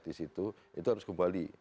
di situ itu harus kembali